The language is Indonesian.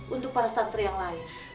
untuk para santri yang lain